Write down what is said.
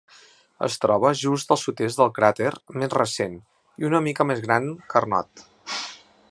Es troba just al sud-oest del cràter més recent i una mica més gran Carnot.